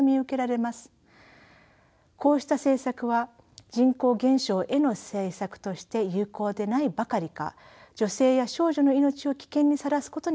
こうした政策は人口減少への政策として有効でないばかりか女性や少女の命を危険にさらすことになりかねません。